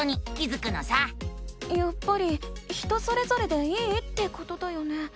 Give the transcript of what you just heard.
やっぱり人それぞれでいいってことだよね？